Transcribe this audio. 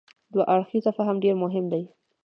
دوه اړخیز فهم ډېر مهم دی.